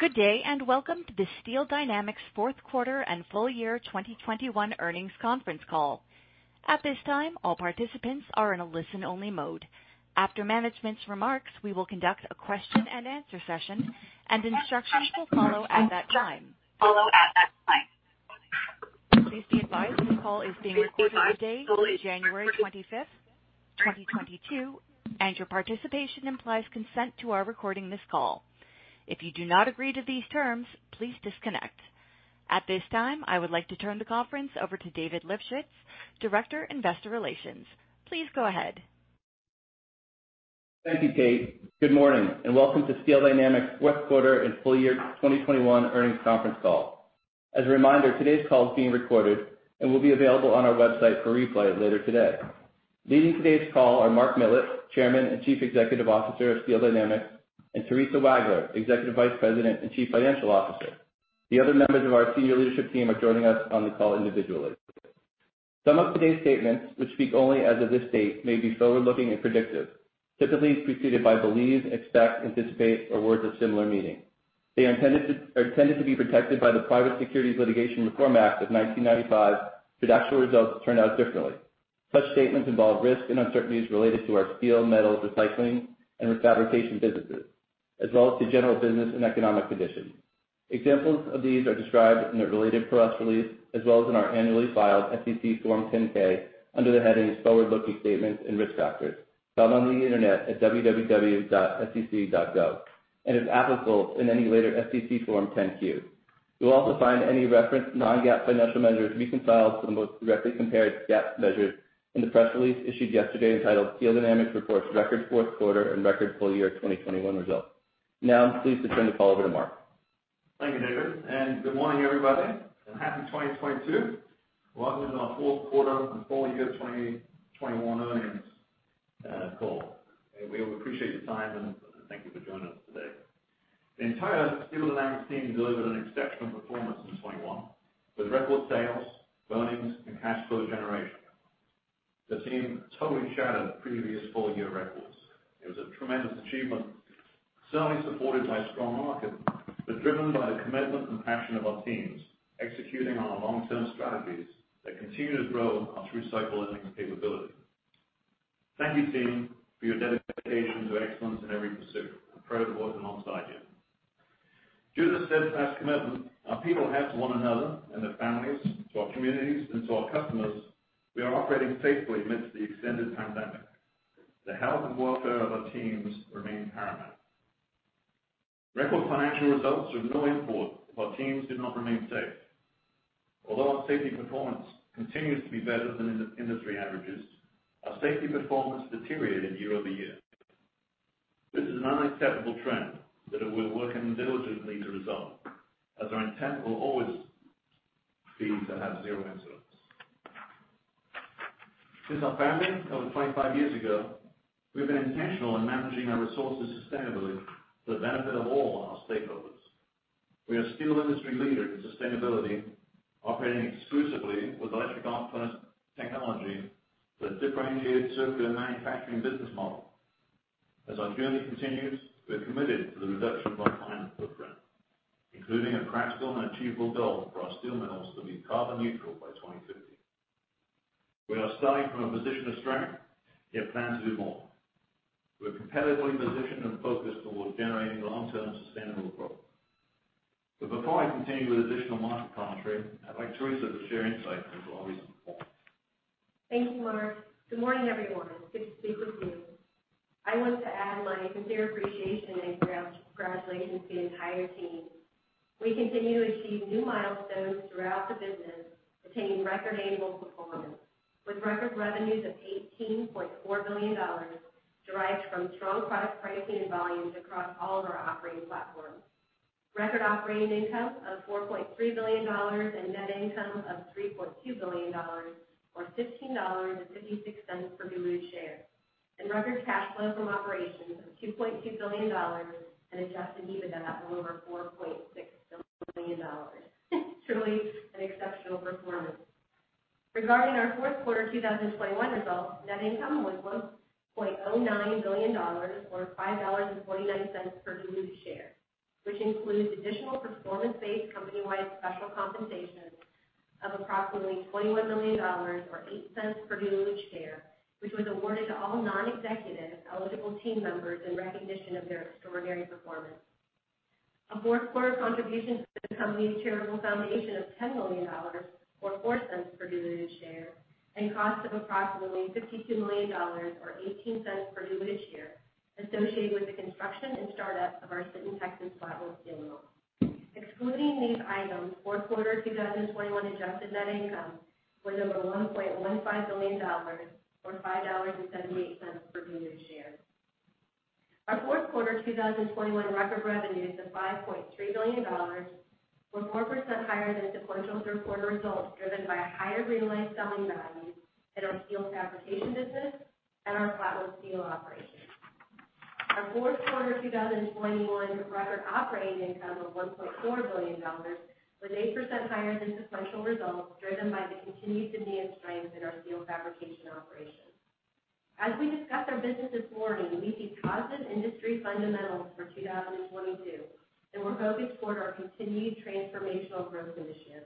Good day, and welcome to the Steel Dynamics Fourth Quarter and Full Year 2021 Earnings Conference Call. At this time, all participants are in a listen-only mode. After management's remarks, we will conduct a question-and-answer session, and instructions will follow at that time. Please be advised that this call is being recorded today, January 25, 2022, and your participation implies consent to our recording this call. If you do not agree to these terms, please disconnect. At this time, I would like to turn the conference over to David Lipschitz, Director, Investor Relations. Please go ahead. Thank you, Kate. Good morning, and welcome to Steel Dynamics fourth quarter and full year 2021 earnings conference call. As a reminder, today's call is being recorded and will be available on our website for replay later today. Leading today's call are Mark Millett, Chairman and Chief Executive Officer of Steel Dynamics, and Theresa Wagler, Executive Vice President and Chief Financial Officer. The other members of our senior leadership team are joining us on the call individually. Some of today's statements, which speak only as of this date, may be forward-looking and predictive, typically preceded by believe, expect, anticipate, or words of similar meaning. They are intended to be protected by the Private Securities Litigation Reform Act of 1995, should actual results turn out differently. Such statements involve risks and uncertainties related to our steel, metals, recycling, and fabrication businesses, as well as to general business and economic conditions. Examples of these are described in the related press release, as well as in our annually filed SEC Form 10-K under the headings Forward-Looking Statements and Risk Factors, found on the Internet at www.sec.gov, and, as applicable, in any later SEC Form 10-Q. You'll also find any referenced non-GAAP financial measures reconciled to the most directly compared GAAP measures in the press release issued yesterday entitled Steel Dynamics Reports Record Fourth Quarter and Record Full Year 2021 Results. Now, I'm pleased to turn the call over to Mark. Thank you, David, and good morning, everybody, and happy 2022. Welcome to our fourth quarter and full year 2021 earnings call. We appreciate your time, and thank you for joining us today. The entire Steel Dynamics team delivered an exceptional performance in 2021, with record sales, earnings, and cash flow generation. The team totally shattered previous full-year records. It was a tremendous achievement, certainly supported by a strong market, but driven by the commitment and passion of our teams executing on our long-term strategies that continue to grow our through-cycle earning capability. Thank you, team, for your dedication to excellence in every pursuit. I'm proud to work alongside you. Due to this steadfast commitment our people have to one another and their families, to our communities, and to our customers, we are operating safely amidst the extended pandemic. The health and welfare of our teams remain paramount. Record financial results are of no import if our teams did not remain safe. Although our safety performance continues to be better than industry averages, our safety performance deteriorated year-over-year. This is an unacceptable trend that we're working diligently to resolve, as our intent will always be to have zero incidents. Since our founding over 25 years ago, we've been intentional in managing our resources sustainably for the benefit of all our stakeholders. We are a steel industry leader in sustainability, operating exclusively with electric arc furnace technology for differentiated circular manufacturing business model. As our journey continues, we're committed to the reduction of our climate footprint, including a practical and achievable goal for our steel mills to be carbon neutral by 2050. We are starting from a position of strength, yet plan to do more. We're competitively positioned and focused toward generating long-term sustainable growth. Before I continue with additional market commentary, I'd like Theresa to share insights as always. Thank you, Mark. Good morning, everyone. Good to speak with you. I want to add my sincere appreciation and congratulations to the entire team. We continue to achieve new milestones throughout the business, attaining record annual performance, with record revenues of $18.4 billion, derived from strong product pricing and volumes across all of our operating platforms. Record operating income of $4.3 billion and net income of $3.2 billion, or $15.56 per diluted share. Record cash flow from operations of $2.2 billion and adjusted EBITDA of over $4.6 billion. Truly an exceptional performance. Regarding our fourth quarter 2021 results, net income was $1.09 billion or $5.49 per diluted share, which includes additional performance-based company-wide special compensations of approximately $21 million or $0.08 per diluted share, which was awarded to all non-executive eligible team members in recognition of their extraordinary performance, a fourth quarter contribution to the company's charitable foundation of $10 million or $0.04 per diluted share, and costs of approximately $52 million or $0.18 per diluted share associated with the construction and startup of our Sinton, Texas flat-roll steel mill. Excluding these items, fourth quarter 2021 adjusted net income was over $1.15 billion or $5.78 per diluted share. Our fourth quarter 2021 record revenues of $5.3 billion were 4% higher than sequential third quarter results, driven by higher realized selling values in our steel fabrication business and our flat-rolled steel operations. Our fourth quarter 2021 record operating income of $1.4 billion was 8% higher than sequential results, driven by the continued demand strength in our steel fabrication operations. As we discuss our business this morning, we see positive industry fundamentals for 2022, and we're focused toward our continued transformational growth this year.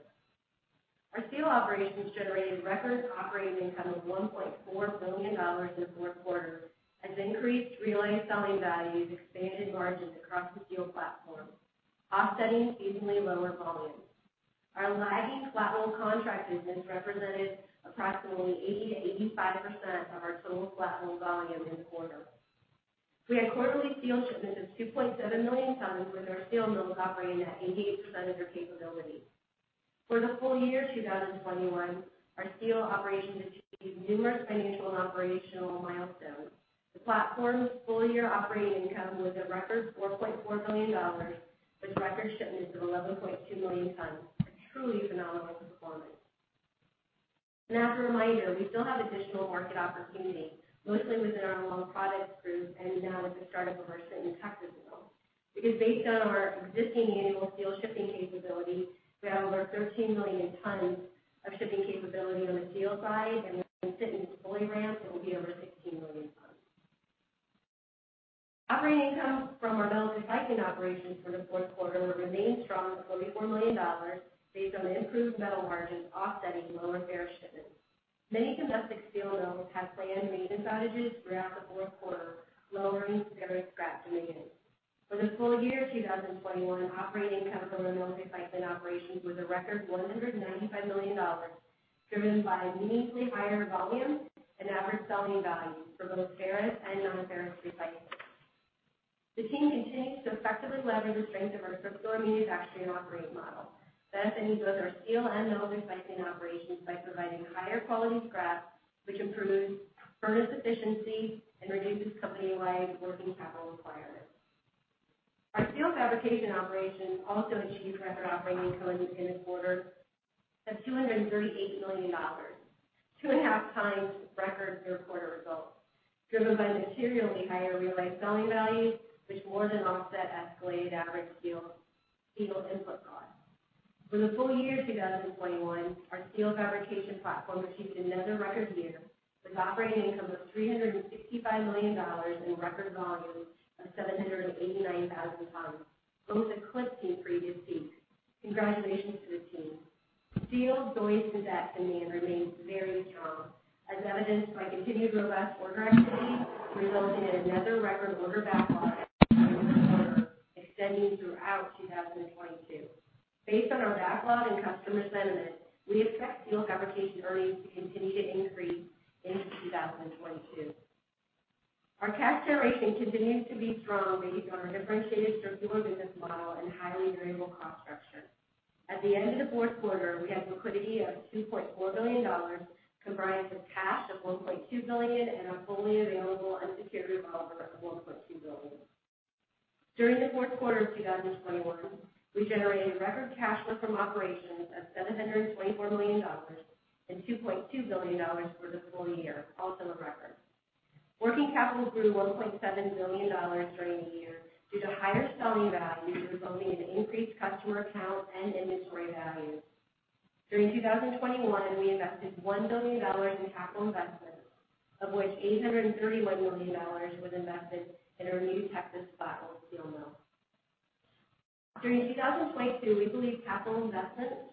Our steel operations generated record operating income of $1.4 billion in the fourth quarter, as increased realized selling values expanded margins across the steel platform, offsetting seasonally lower volumes. Our lagging flat-rolled contract business represented approximately 80%-85% of our total flat-rolled volume in the quarter. We had quarterly steel shipments of 2.7 million tons, with our steel mills operating at 88% of their capability. For the full year 2021, our steel operations achieved numerous financial and operational milestones. The platform's full-year operating income was a record $4.4 billion, with record shipments of 11.2 million tons. A truly phenomenal performance. As a reminder, we still have additional market opportunity, mostly within our long products group and now with the start of our Sinton, Texas mill. Because based on our existing annual steel shipping capability, we have over 13 million tons of shipping capability on the steel side, and when Sinton is fully ramped, it will be over 16 million tons. Operating income from our metals recycling operations for the fourth quarter remained strong at $44 million based on the improved metal margins offsetting lower ferrous shipments. Many domestic steel mills had planned maintenance outages throughout the fourth quarter, lowering ferrous scrap demand. For the full year 2021, operating income from the metals recycling operations was a record $195 million, driven by meaningfully higher volumes and average selling values for both ferrous and non-ferrous recycling. The team continues to effectively leverage the strength of our circular manufacturing operating model, benefiting both our steel and metals recycling operations by providing higher quality scrap, which improves furnace efficiency and reduces company-wide working capital requirements. Our steel fabrication operations also achieved record operating income in this quarter of $238 million, 2.5 times record third quarter results, driven by materially higher realized selling values, which more than offset escalated average steel input costs. For the full year 2021, our steel fabrication platform achieved another record year, with operating income of $365 million and record volumes of 789,000 tons, both eclipsing previous peaks. Congratulations to the team. Steel’s strong demand remains very strong, as evidenced by continued robust order activity resulting in another record order backlog extending throughout 2022. Based on our backlog and customer sentiment, we expect steel fabrication earnings to continue to increase into 2022. Our cash generation continues to be strong based on our differentiated circular business model and highly variable cost structure. At the end of the fourth quarter, we had liquidity of $2.4 billion, comprised of cash of $1.2 billion and a fully available unsecured revolver of $1.2 billion. During the fourth quarter of 2021, we generated record cash flow from operations of $724 million and $2.2 billion for the full year, also a record. Working capital grew $1.7 billion during the year due to higher selling values resulting in increased customer accounts and inventory values. During 2021, we invested $1 billion in capital investments, of which $831 million was invested in our new Texas flat-rolled steel mill. During 2022, we believe capital investments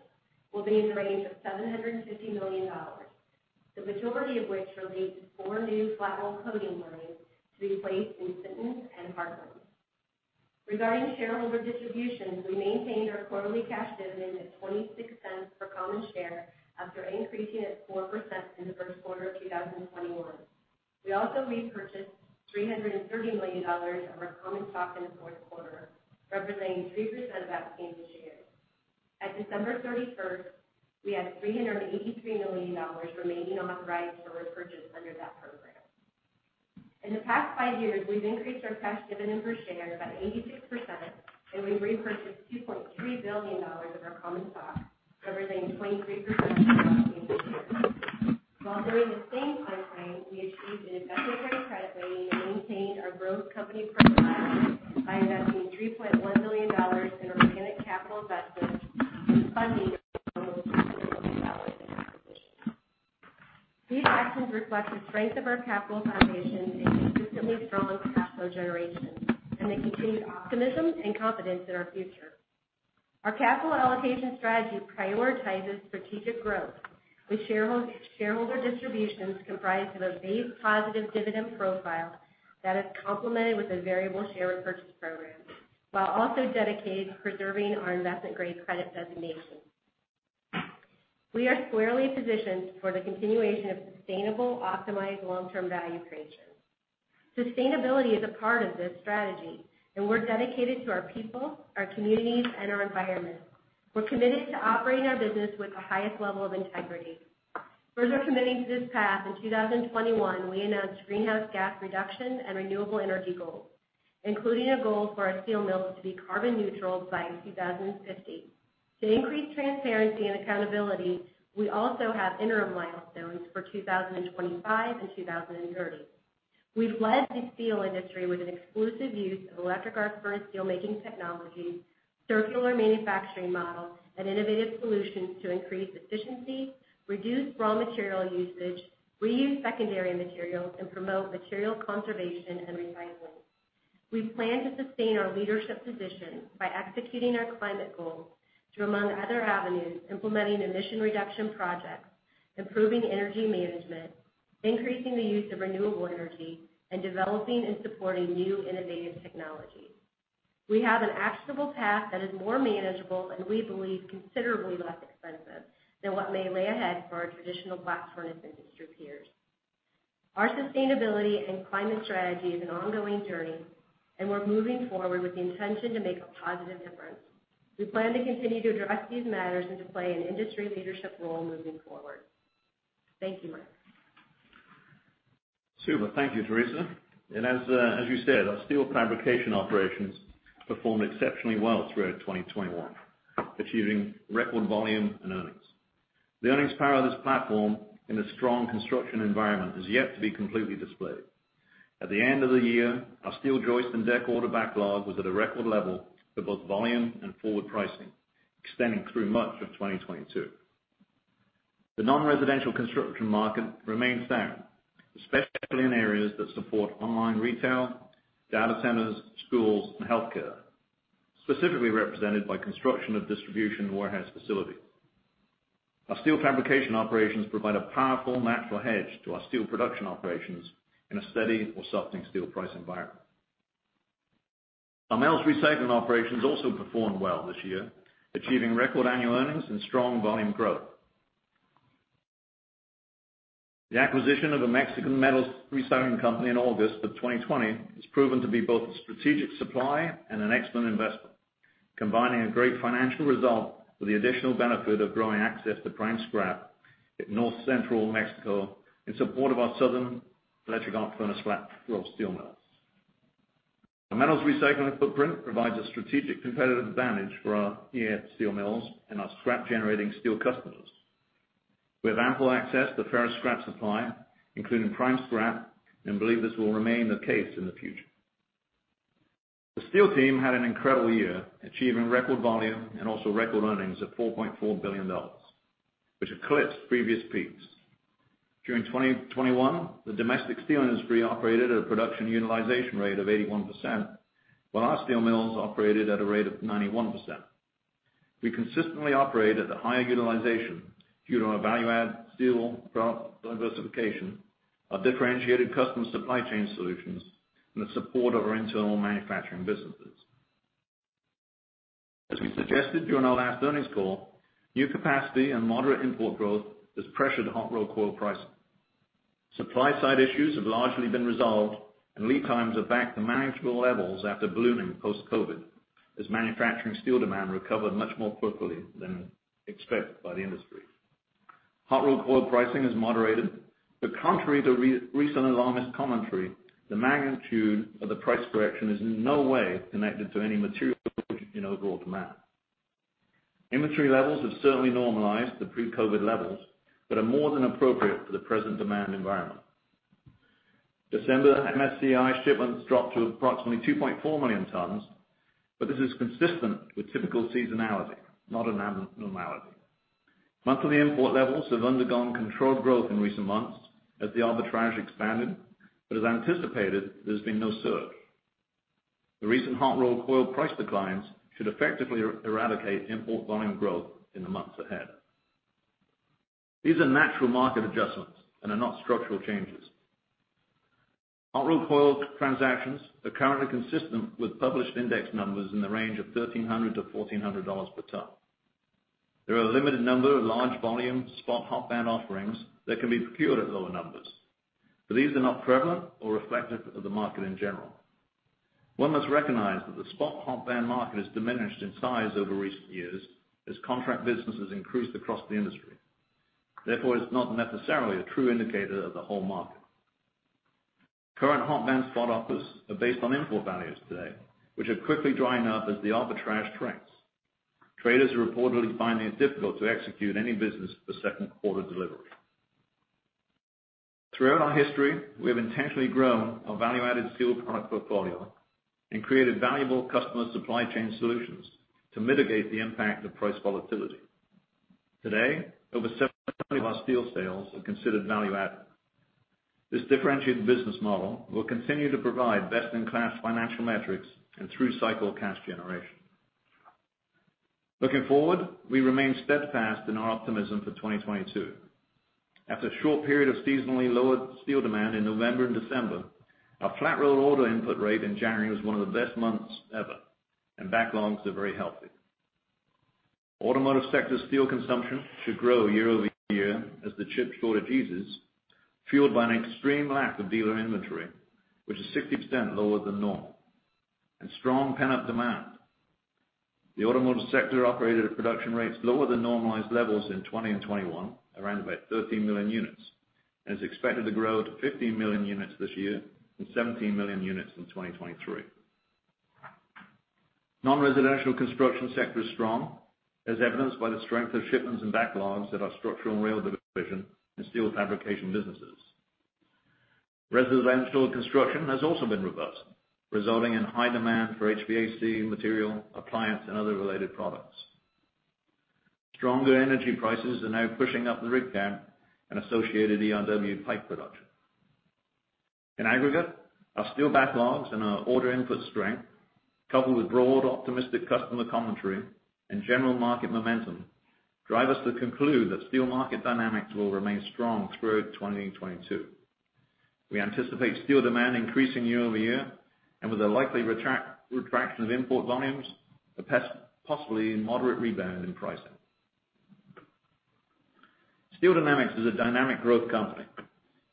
will be in the range of $750 million, the majority of which relates to four new flat-rolled coating lines to be placed in Sinton and Heartland. Regarding shareholder distributions, we maintained our quarterly cash dividend at $0.26 per common share after increasing it 4% in the first quarter of 2021. We also repurchased $330 million of our common stock in the fourth quarter, representing 3% of outstanding shares. At December 31, we had $383 million remaining authorized for repurchase under that program. In the past five years, we've increased our cash dividend per share by 86%, and we've repurchased $2.3 billion of our common stock, representing 23% of outstanding shares. While during the same time frame, we achieved an investment-grade credit rating and maintained our growth company profile by investing $3.1 billion in organic capital investments and funding of dollars in acquisitions. These actions reflect the strength of our capital foundation and consistently strong cash flow generation, and the continued optimism and confidence in our future. Our capital allocation strategy prioritizes strategic growth, with shareholder distributions comprised of a base positive dividend profile that is complemented with a variable share repurchase program while also dedicated to preserving our investment-grade credit designation. We are squarely positioned for the continuation of sustainable, optimized long-term value creation. Sustainability is a part of this strategy, and we're dedicated to our people, our communities, and our environment. We're committed to operating our business with the highest level of integrity. Further committing to this path, in 2021, we announced greenhouse gas reduction and renewable energy goals, including a goal for our steel mills to be carbon neutral by 2050. To increase transparency and accountability, we also have interim milestones for 2025 and 2030. We've led the steel industry with an exclusive use of electric arc furnace steelmaking technology, circular manufacturing model, and innovative solutions to increase efficiency, reduce raw material usage, reuse secondary materials, and promote material conservation and recycling. We plan to sustain our leadership position by executing our climate goals through, among other avenues, implementing emission reduction projects, improving energy management, increasing the use of renewable energy, and developing and supporting new innovative technologies. We have an actionable path that is more manageable, and we believe considerably less expensive than what may lay ahead for our traditional platform and industry peers. Our sustainability and climate strategy is an ongoing journey, and we're moving forward with the intention to make a positive difference. We plan to continue to address these matters and to play an industry leadership role moving forward. Thank you, Mark. Super. Thank you, Theresa. As you said, our steel fabrication operations performed exceptionally well throughout 2021, achieving record volume and earnings. The earnings power of this platform in a strong construction environment is yet to be completely displayed. At the end of the year, our steel joist and deck order backlog was at a record level for both volume and forward pricing, extending through much of 2022. The non-residential construction market remains sound, especially in areas that support online retail, data centers, schools, and healthcare, specifically represented by construction of distribution warehouse facilities. Our steel fabrication operations provide a powerful natural hedge to our steel production operations in a steady or softening steel price environment. Our metals recycling operations also performed well this year, achieving record annual earnings and strong volume growth. The acquisition of a Mexican metals recycling company in August 2020 has proven to be both a strategic supply and an excellent investment, combining a great financial result with the additional benefit of growing access to prime scrap in north-central Mexico in support of our southern electric arc furnace flat-rolled steel mills. Our metals recycling footprint provides a strategic competitive advantage for our EAF steel mills and our scrap-generating steel customers. We have ample access to ferrous scrap supply, including prime scrap, and believe this will remain the case in the future. The steel team had an incredible year, achieving record volume and also record earnings of $4.4 billion, which eclipsed previous peaks. During 2021, the domestic steel industry operated at a production utilization rate of 81%, while our steel mills operated at a rate of 91%. We consistently operate at a higher utilization due to our value-add steel product diversification, our differentiated customer supply chain solutions, and the support of our internal manufacturing businesses. As we suggested during our last earnings call, new capacity and moderate import growth has pressured hot rolled coil pricing. Supply side issues have largely been resolved, and lead times are back to manageable levels after booming post-COVID, as manufacturing steel demand recovered much more quickly than expected by the industry. Hot rolled coil pricing has moderated, but contrary to recent alarmist commentary, the magnitude of the price correction is in no way connected to any material change in overall demand. Inventory levels have certainly normalized to pre-COVID levels, but are more than appropriate for the present demand environment. December MSCI shipments dropped to approximately 2.4 million tons, but this is consistent with typical seasonality, not an abnormality. Monthly import levels have undergone controlled growth in recent months as the arbitrage expanded, but as anticipated, there's been no surge. The recent hot rolled coil price declines should effectively eradicate import volume growth in the months ahead. These are natural market adjustments and are not structural changes. Hot rolled coil transactions are currently consistent with published index numbers in the range of $1,300-$1,400 per ton. There are a limited number of large volume spot hot band offerings that can be procured at lower numbers, but these are not prevalent or reflective of the market in general. One must recognize that the spot hot band market has diminished in size over recent years as contract business has increased across the industry. Therefore, it's not necessarily a true indicator of the whole market. Current hot band spot offers are based on import values today, which are quickly drying up as the arbitrage shrinks. Traders are reportedly finding it difficult to execute any business for second quarter delivery. Throughout our history, we have intentionally grown our value-added steel product portfolio and created valuable customer supply chain solutions to mitigate the impact of price volatility. Today, over 70% of our steel sales are considered value-added. This differentiated business model will continue to provide best-in-class financial metrics and through-cycle cash generation. Looking forward, we remain steadfast in our optimism for 2022. After a short period of seasonally lower steel demand in November and December, our flat-rolled order input rate in January was one of the best months ever, and backlogs are very healthy. Automotive sector steel consumption should grow year-over-year as the chip shortage eases, fueled by an extreme lack of dealer inventory, which is 60% lower than normal, and strong pent-up demand. The automotive sector operated at production rates lower than normalized levels in 2020 and 2021, around about 13 million units, and is expected to grow to 15 million units this year and 17 million units in 2023. Non-residential construction sector is strong, as evidenced by the strength of shipments and backlogs at our Structural and Rail Division and steel fabrication businesses. Residential construction has also been reversed, resulting in high demand for HVAC material, appliance and other related products. Stronger energy prices are now pushing up the rig count and associated ERW pipe production. In aggregate, our steel backlogs and our order input strength, coupled with broad optimistic customer commentary and general market momentum, drive us to conclude that steel market dynamics will remain strong through 2022. We anticipate steel demand increasing year-over-year and with a likely retraction of import volumes, possibly moderate rebound in pricing. Steel Dynamics is a dynamic growth company,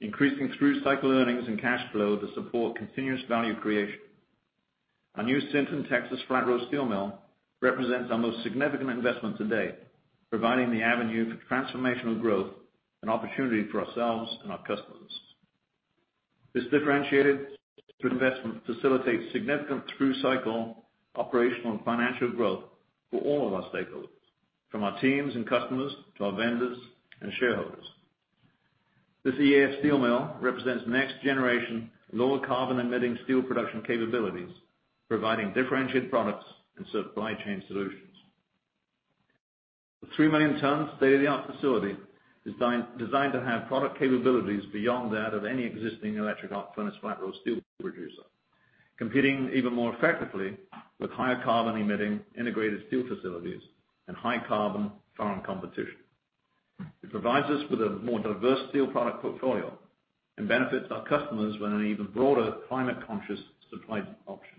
increasing through cycle earnings and cash flow to support continuous value creation. Our new Sinton, Texas, flat-roll steel mill represents our most significant investment to date, providing the avenue for transformational growth and opportunity for ourselves and our customers. This differentiated investment facilitates significant through cycle operational and financial growth for all of our stakeholders, from our teams and customers to our vendors and shareholders. This EAF steel mill represents next generation lower carbon emitting steel production capabilities, providing differentiated products and supply chain solutions. The 3 million tons state-of-the-art facility is designed to have product capabilities beyond that of any existing electric arc furnace, flat-roll steel producer, competing even more effectively with higher carbon emitting integrated steel facilities and high carbon foreign competition. It provides us with a more diverse steel product portfolio and benefits our customers with an even broader climate conscious supply option.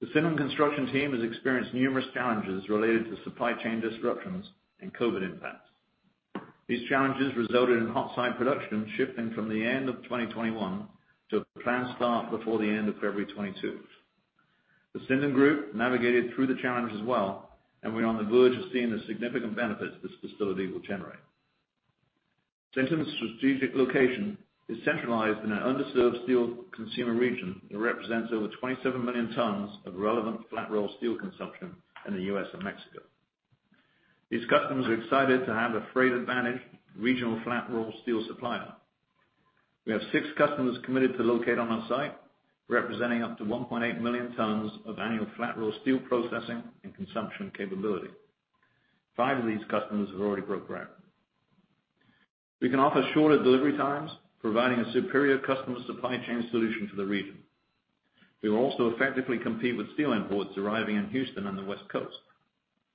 The Sinton construction team has experienced numerous challenges related to supply chain disruptions and COVID impacts. These challenges resulted in hot side production shifting from the end of 2021 to a planned start before the end of February 2022. The Sinton group navigated through the challenge as well, and we're on the verge of seeing the significant benefits this facility will generate. Sinton's strategic location is centralized in an underserved steel consumer region that represents over 27 million tons of relevant flat roll steel consumption in the U.S. and Mexico. These customers are excited to have a freight advantage regional flat roll steel supplier. We have six customers committed to locate on our site, representing up to 1.8 million tons of annual flat roll steel processing and consumption capability. Five of these customers have already broke ground. We can offer shorter delivery times, providing a superior customer supply chain solution for the region. We will also effectively compete with steel imports arriving in Houston and the West Coast,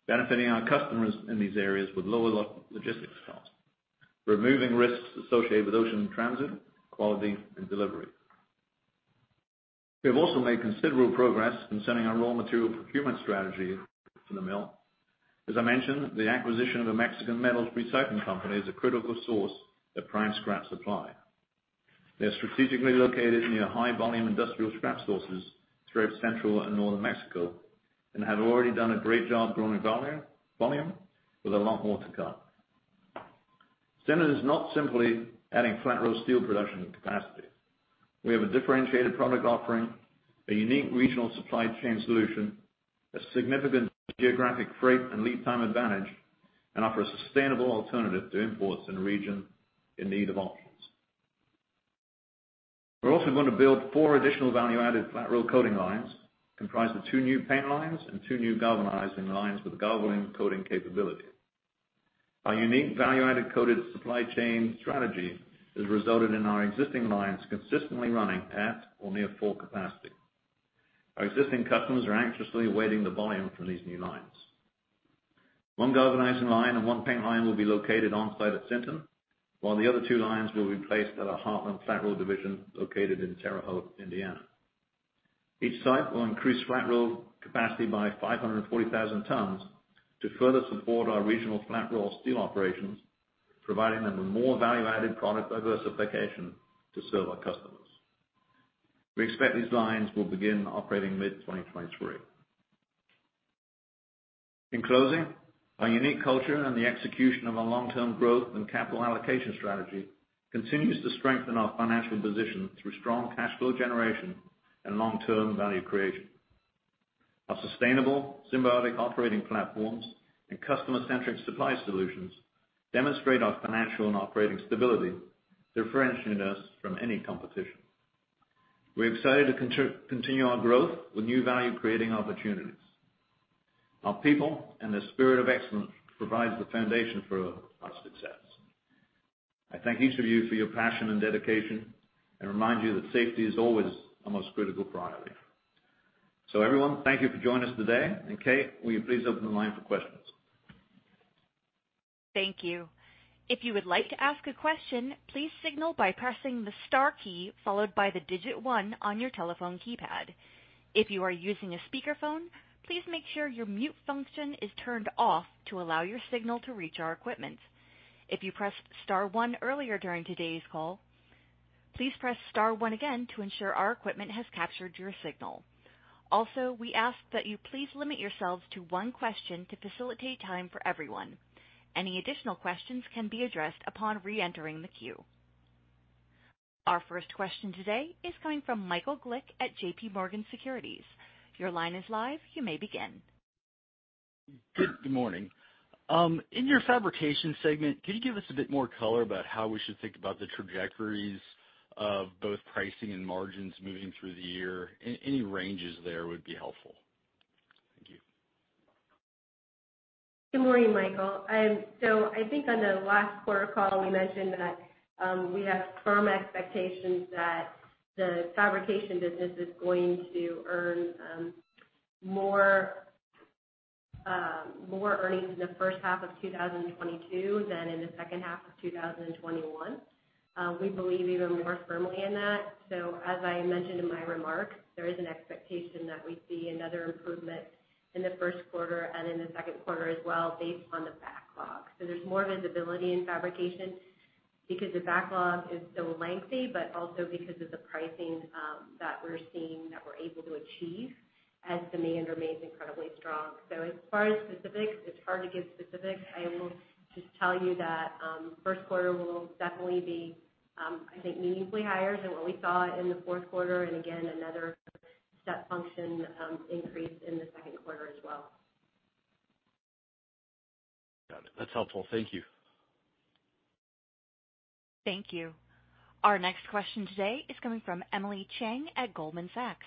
benefiting our customers in these areas with lower logistics costs, removing risks associated with ocean transit, quality and delivery. We have also made considerable progress concerning our raw material procurement strategy for the mill. As I mentioned, the acquisition of a Mexican metal recycling company is a critical source of prime scrap supply. They're strategically located near high volume industrial scrap sources throughout central and northern Mexico and have already done a great job growing volume with a lot more to come. Sinton is not simply adding flat roll steel production capacity. We have a differentiated product offering, a unique regional supply chain solution, a significant geographic freight and lead time advantage, and offer a sustainable alternative to imports in a region in need of options. We're also going to build four additional value-added flat roll coating lines comprised of two new paint lines and two new galvanizing lines with Galvalume coating capability. Our unique value-added coated supply chain strategy has resulted in our existing lines consistently running at or near full capacity. Our existing customers are anxiously awaiting the volume from these new lines. One galvanizing line and one paint line will be located on site at Sinton, while the other two lines will be placed at our Heartland Flat Roll division located in Terre Haute, Indiana. Each site will increase flat roll capacity by 540,000 tons to further support our regional flat roll steel operations, providing them with more value added product diversification to serve our customers. We expect these lines will begin operating mid-2023. In closing, our unique culture and the execution of our long term growth and capital allocation strategy continues to strengthen our financial position through strong cash flow generation and long term value creation. Our sustainable, symbiotic operating platforms and customer centric supply solutions demonstrate our financial and operating stability, differentiating us from any competition. We're excited to continue our growth with new value creating opportunities. Our people and their spirit of excellence provides the foundation for our success. I thank each of you for your passion and dedication and remind you that safety is always our most critical priority. Everyone, thank you for joining us today. Kate, will you please open the line for questions? Our first question today is coming from Michael Glick at J.P. Morgan Securities. Your line is live. You may begin. Good morning. In your fabrication segment, can you give us a bit more color about how we should think about the trajectories of both pricing and margins moving through the year? Any ranges there would be helpful. Thank you. Good morning, Michael. I think on the last quarter call, we mentioned that we have firm expectations that the fabrication business is going to earn more earnings in the first half of 2022 than in the second half of 2021. We believe even more firmly in that. As I mentioned in my remarks, there is an expectation that we see another improvement in the first quarter and in the second quarter as well based on the backlog. There's more visibility in fabrication because the backlog is so lengthy, but also because of the pricing that we're seeing that we're able to achieve as demand remains incredibly strong. As far as specifics, it's hard to give specifics. I will just tell you that first quarter will definitely be, I think, meaningfully higher than what we saw in the fourth quarter, and again, another step function increase in the second quarter as well. Got it. That's helpful. Thank you. Thank you. Our next question today is coming from Emily Chieng at Goldman Sachs.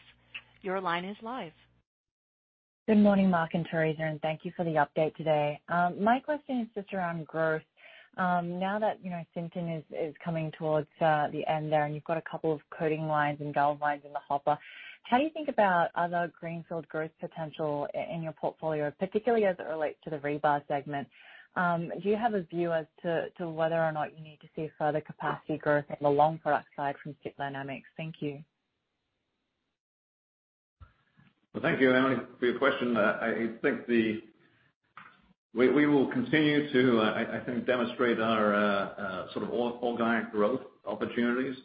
Your line is live. Good morning, Mark and Theresa, and thank you for the update today. My question is just around growth. Now that, you know, Sinton is coming towards the end there, and you've got a couple of coating lines and gal lines in the hopper, how do you think about other greenfield growth potential in your portfolio, particularly as it relates to the rebar segment? Do you have a view as to whether or not you need to see further capacity growth in the long product side from Steel Dynamics? Thank you. Well, thank you, Emily, for your question. I think we will continue to demonstrate our sort of organic growth opportunities.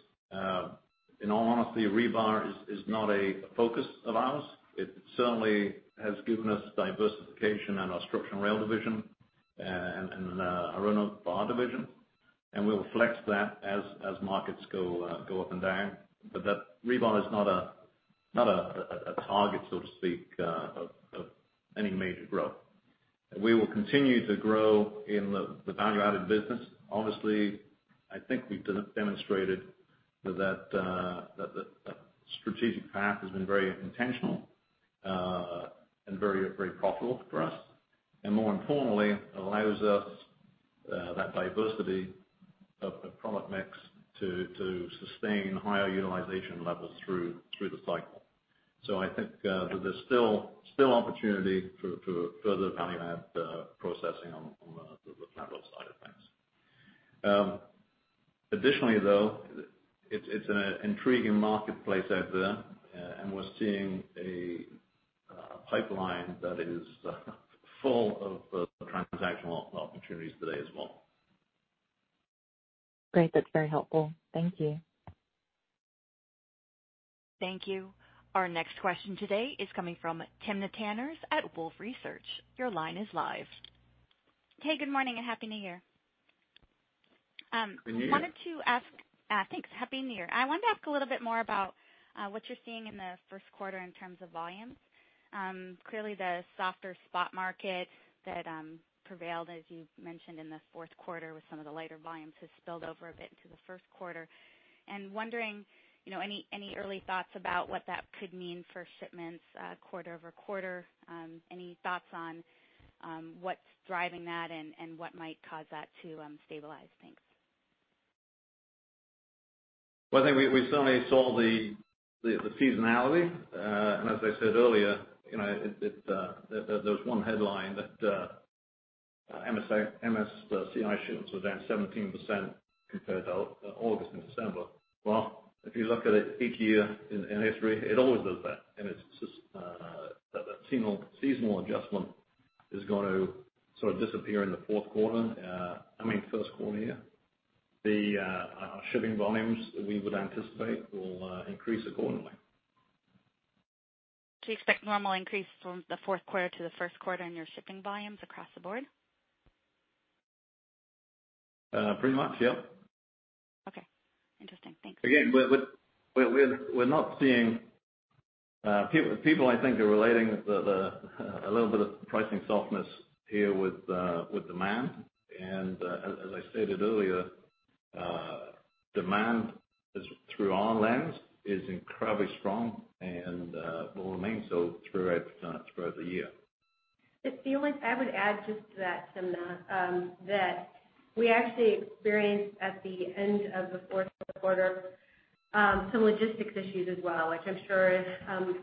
In all honesty, rebar is not a focus of ours. It certainly has given us diversification in our Structural and Rail Division and in our rebar division, and we'll flex that as markets go up and down. That rebar is not a target, so to speak, of any major growth. We will continue to grow in the value-added business. Honestly, I think we've demonstrated that the strategic path has been very intentional and very profitable for us. More importantly, allows us that diversity of the product mix to sustain higher utilization levels through the cycle. I think there's still opportunity for to further value add processing on the flat roll side of things. Additionally, though, it's an intriguing marketplace out there. We're seeing a pipeline that is full of transactional opportunities today as well. Great. That's very helpful. Thank you. Thank you. Our next question today is coming from Timna Tanners at Wolfe Research. Your line is live. Hey, good morning and Happy New Year. Happy New Year. Thanks, Happy New Year. I wanted to ask a little bit more about what you're seeing in the first quarter in terms of volumes. Clearly the softer spot market that prevailed, as you mentioned in the fourth quarter with some of the lighter volumes has spilled over a bit into the first quarter. Wondering, you know, any early thoughts about what that could mean for shipments quarter-over-quarter. Any thoughts on what's driving that and what might cause that to stabilize? Thanks. Well, I think we certainly saw the seasonality. As I said earlier, you know, there's one headline that MSCI shipments were down 17% compared to August and December. Well, if you look at it each year in history, it always does that, and it's just that seasonal adjustment is going to sort of disappear in the fourth quarter, I mean, first quarter here. The shipping volumes we would anticipate will increase accordingly. Do you expect normal increase from the fourth quarter to the first quarter in your shipping volumes across the board? Pretty much, yeah. Okay. Interesting. Thanks. Again, we're not seeing people I think are relating a little bit of pricing softness here with demand. As I stated earlier, demand, through our lens, is incredibly strong and will remain so throughout the year. I would add just to that, Timna, that we actually experienced at the end of the fourth quarter some logistics issues as well, which I'm sure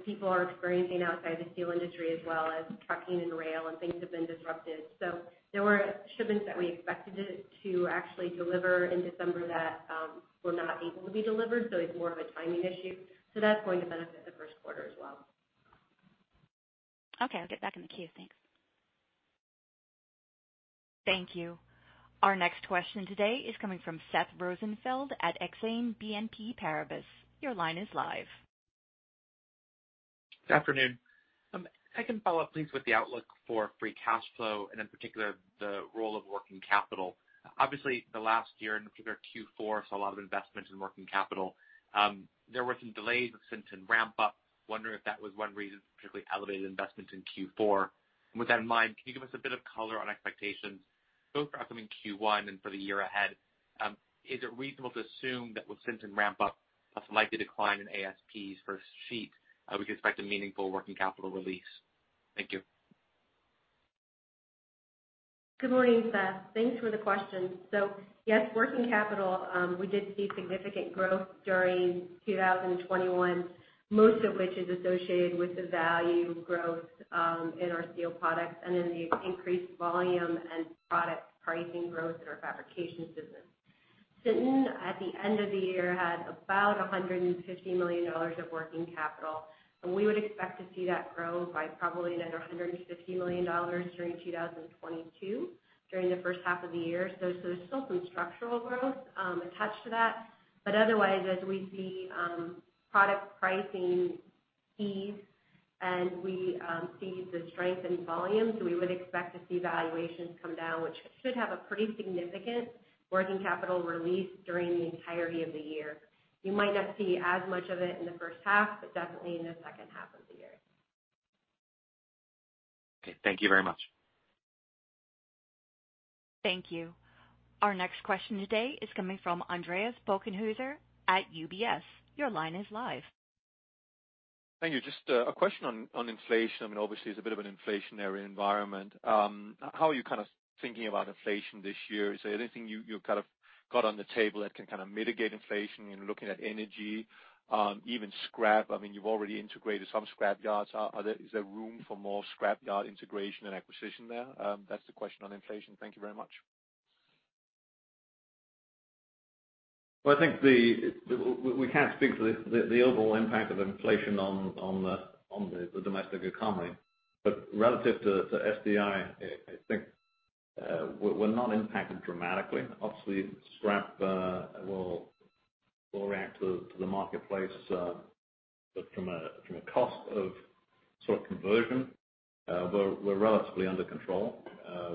people are experiencing outside the steel industry as well as trucking and rail and things have been disrupted. There were shipments that we expected to actually deliver in December that were not able to be delivered, so it's more of a timing issue. That's going to benefit the first quarter as well. Okay. I'll get back in the queue. Thanks. Thank you. Our next question today is coming from Seth Rosenfeld at BNP Paribas. Your line is live. Good afternoon. If I can follow up please with the outlook for free cash flow, and in particular, the role of working capital. Obviously, the last year, in particular Q4, saw a lot of investment in working capital. There were some delays with Sinton ramp up. Wondering if that was one reason for particularly elevated investment in Q4. With that in mind, can you give us a bit of color on expectations both for upcoming Q1 and for the year ahead? Is it reasonable to assume that with Sinton ramp up, a likely decline in ASPs for sheet, we could expect a meaningful working capital release? Thank you. Good morning, Seth. Thanks for the question. Yes, working capital, we did see significant growth during 2021, most of which is associated with the value growth in our steel products and in the increased volume and product pricing growth in our fabrication business. Sinton, at the end of the year, had about $150 million of working capital, and we would expect to see that grow by probably another $150 million during 2022 during the first half of the year. There's still some structural growth attached to that. Otherwise, as we see product pricing ease and we see the strength in volumes, we would expect to see valuations come down, which should have a pretty significant working capital release during the entirety of the year. You might not see as much of it in the first half, but definitely in the second half of the year. Okay. Thank you very much. Thank you. Our next question today is coming from Andreas Bokkenheuser at UBS. Your line is live. Thank you. Just a question on inflation. I mean, obviously it's a bit of an inflationary environment. How are you kind of thinking about inflation this year? Is there anything you kind of got on the table that can kind of mitigate inflation in looking at energy, even scrap? I mean, you've already integrated some scrap yards. Is there room for more scrap yard integration and acquisition there? That's the question on inflation. Thank you very much. Well, I think we can't speak to the overall impact of inflation on the domestic economy. Relative to SDI, I think we're not impacted dramatically. Obviously, scrap will react to the marketplace, but from a cost of conversion, we're relatively under control.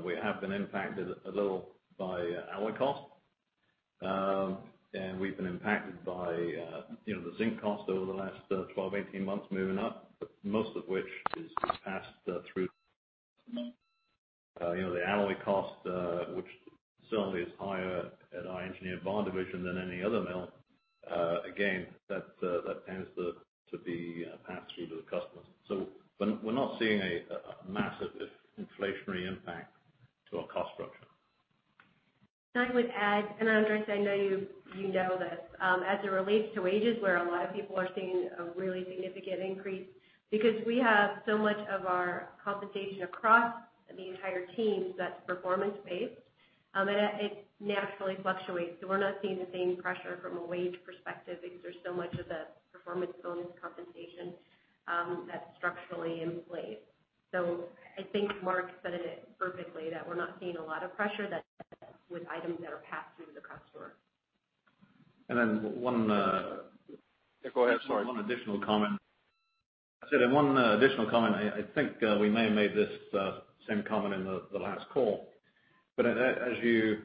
We have been impacted a little by alloy cost. And we've been impacted by you know, the zinc cost over the last 12, 18 months moving up, but most of which is passed through you know, the alloy cost, which certainly is higher at our Engineered Bar Division than any other mill. Again, that tends to be passed through to the customers. We're not seeing a massive inflationary impact to our cost structure. I would add, Andreas, I know you know this, as it relates to wages, where a lot of people are seeing a really significant increase. Because we have so much of our compensation across the entire team that's performance-based, and it naturally fluctuates. We're not seeing the same pressure from a wage perspective because there's so much of the performance bonus compensation that's structurally in place. I think Mark said it perfectly, that we're not seeing a lot of pressure there with items that are passed through to the customer. And then one Yeah, go ahead. Sorry. One additional comment. I think we may have made this same comment in the last call. As you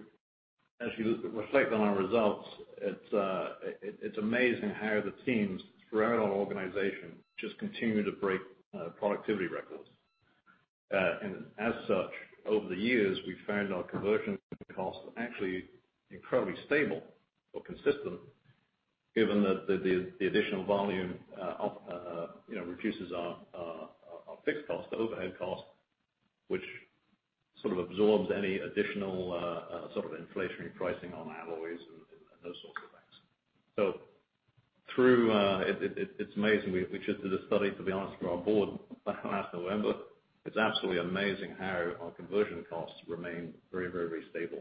reflect on our results, it's amazing how the teams throughout our organization just continue to break productivity records. As such, over the years, we found our conversion costs are actually incredibly stable or consistent given that the additional volume you know reduces our fixed cost, the overhead cost, which sort of absorbs any additional sort of inflationary pricing on alloys and those sorts of things. It's amazing. We just did a study, to be honest, for our board last November. It's absolutely amazing how our conversion costs remain very, very, very stable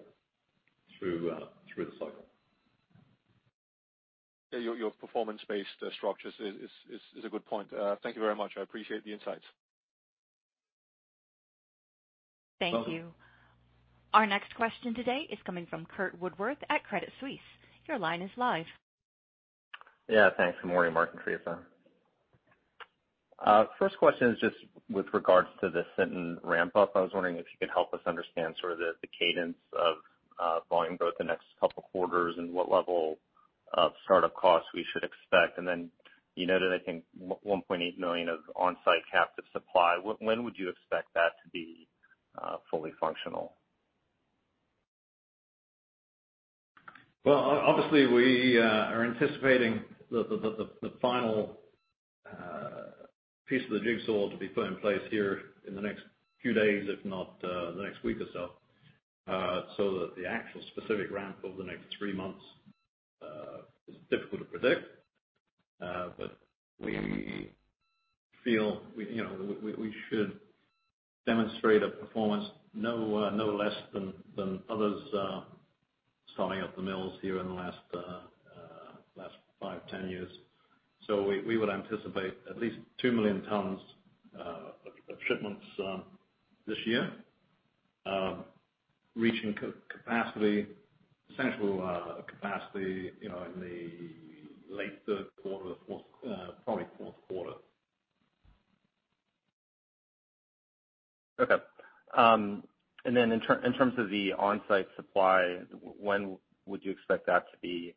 through the cycle. Yeah, your performance-based structures is a good point. Thank you very much. I appreciate the insights. Thank you. Our next question today is coming from Curt Woodworth at Credit Suisse. Your line is live. Yeah, thanks. Good morning, Mark and Theresa. First question is just with regards to the Sinton ramp up. I was wondering if you could help us understand sort of the cadence of volume growth the next couple quarters, and what level of start-up costs we should expect. You noted, I think, 1.8 million of on-site captive supply. When would you expect that to be fully functional? Well, obviously, we are anticipating the final piece of the jigsaw to be put in place here in the next few days, if not the next week or so. So that the actual specific ramp over the next three months is difficult to predict. But we feel, you know, we should demonstrate a performance no less than others starting up the mills here in the last 5 years, 10 years. So we would anticipate at least 2 million tons shipments this year, reaching capacity, central capacity, you know, in the late third quarter, fourth, probably fourth quarter. In terms of the onsite supply, when would you expect that to be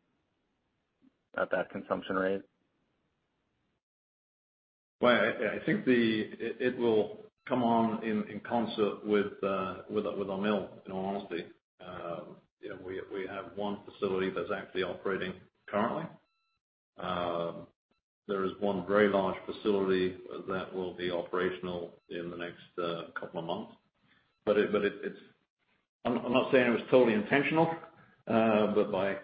at that consumption rate? Well, I think it will come on in concert with our mill, in all honesty. We have one facility that's actually operating currently. There is one very large facility that will be operational in the next couple of months. I'm not saying it was totally intentional, but by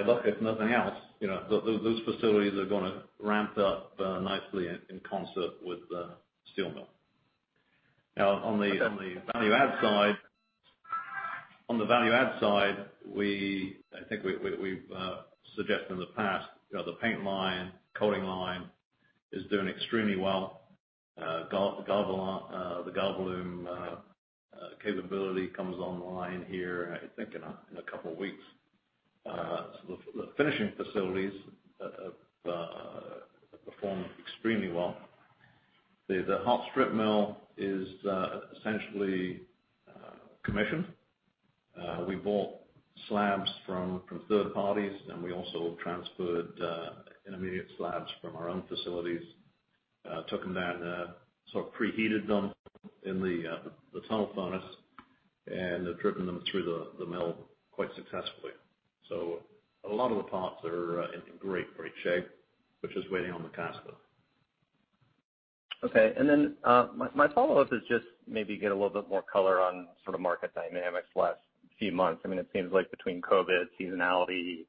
luck, if nothing else, you know, those facilities are gonna ramp up nicely in concert with the steel mill. Now, on the Okay. On the value add side, I think we've suggested in the past, you know, the paint line, coating line is doing extremely well. The Galvalume capability comes online here, I think in a couple of weeks. The finishing facilities perform extremely well. The hot strip mill is essentially commissioned. We bought slabs from third parties, and we also transferred intermediate slabs from our own facilities, took them down, sort of preheated them in the tunnel furnace and have driven them through the mill quite successfully. A lot of the parts are in great shape. We're just waiting on the caster. Okay. My follow-up is just maybe get a little bit more color on sort of market dynamics last few months. I mean, it seems like between COVID, seasonality,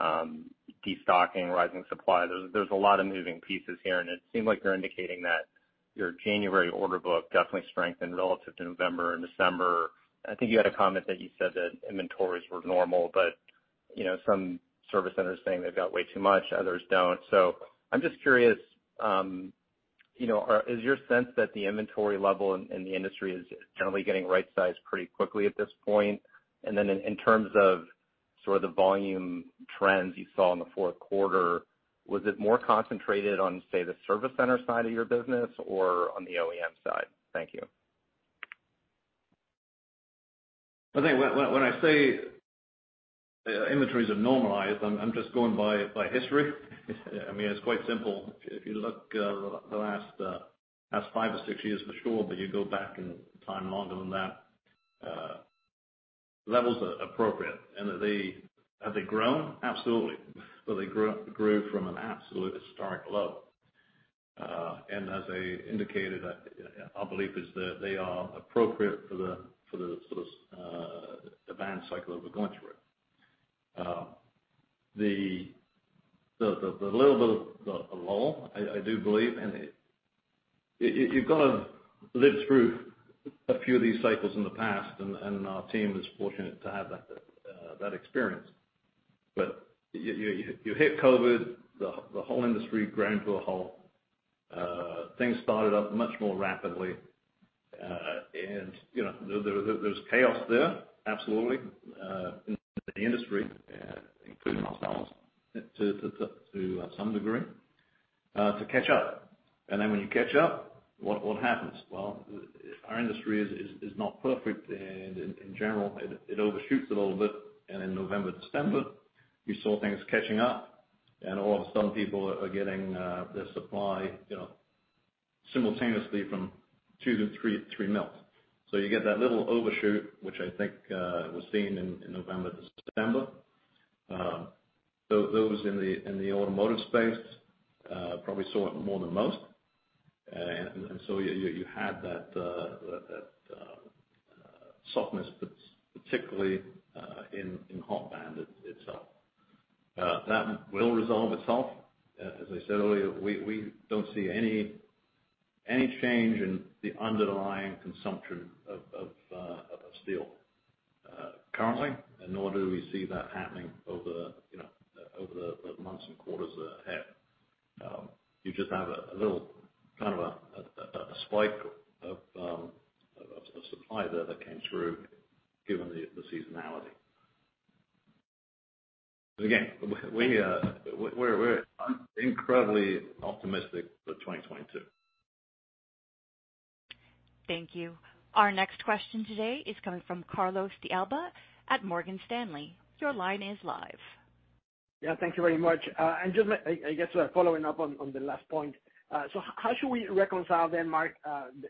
destocking, rising supply, there's a lot of moving pieces here. It seemed like you're indicating that your January order book definitely strengthened relative to November and December. I think you had a comment that you said that inventories were normal, but you know, some service centers saying they've got way too much, others don't. I'm just curious, you know, is your sense that the inventory level in the industry is generally getting right-sized pretty quickly at this point? In terms of sort of the volume trends you saw in the fourth quarter, was it more concentrated on, say, the service center side of your business or on the OEM side? Thank you. I think when I say inventories have normalized, I'm just going by history. I mean, it's quite simple. If you look at the last five or six years for sure, but you go back in time longer than that, levels are appropriate. Have they grown? Absolutely. They grew from an absolute historic low. As I indicated, I believe that they are appropriate for the sort of demand cycle that we're going through. The little bit of the lull, I do believe. You've gotta live through a few of these cycles in the past and our team is fortunate to have that experience. You hit COVID, the whole industry ground to a halt. Things started up much more rapidly. You know, there was chaos there, absolutely, in the industry, including ourselves, to some degree, to catch up. When you catch up, what happens? Well, our industry is not perfect, and in general, it overshoots it a little bit. In November, December, you saw things catching up, and all of a sudden people are getting their supply, you know, simultaneously from two to three mills. You get that little overshoot, which I think was seen in November, December. Those in the automotive space probably saw it more than most. You had that softness, but particularly in hot band itself. That will resolve itself. As I said earlier, we don't see any change in the underlying consumption of steel currently, and nor do we see that happening over, you know, over the months and quarters ahead. You just have a little kind of a spike of supply there that came through given the seasonality. Again, we're incredibly optimistic for 2022. Thank you. Our next question today is coming from Carlos de Alba at Morgan Stanley. Your line is live. Yeah. Thank you very much. I guess, following up on the last point. How should we reconcile then, Mark,